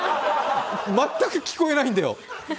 全く聞こえないんだよ。